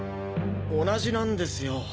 同じなんですよ。